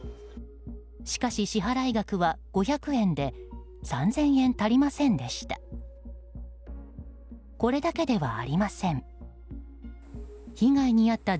しかし、支払額は５００円で３０００円足りませんでした。